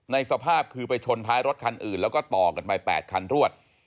สภาพคือไปชนท้ายรถคันอื่นแล้วก็ต่อกันไป๘คันรวด